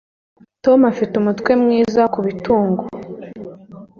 Tom afite umutwe mwiza ku bitugu